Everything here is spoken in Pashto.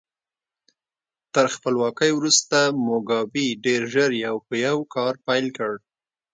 تر خپلواکۍ وروسته موګابي ډېر ژر یو په یو کار پیل کړ.